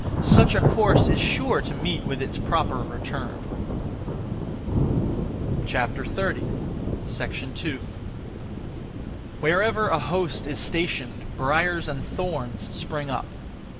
Such a course is sure to meet with its proper return. 2. Wherever a host is stationed, briars and thorns spring up.